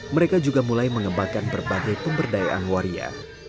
mereka juga mulai mengembangkan berbagai pemberdayaan waria